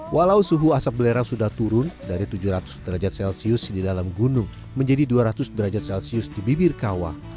walau suhu asap belerang sudah turun dari tujuh ratus derajat celcius di dalam gunung menjadi dua ratus derajat celcius di bibir kawah